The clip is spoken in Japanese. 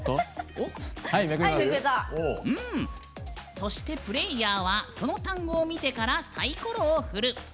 そして、プレイヤーはその単語を見てからサイコロを振る。